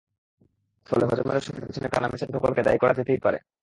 ফলে হজমের অসুখের পেছনে টানা ম্যাচের ধকলকে দায়ী করা যেতেই পারে।